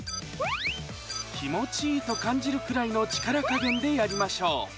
気持ちいいと感じるくらいの力加減でやりましょう。